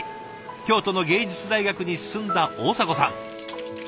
京都の芸術大学に進んだ大迫さん。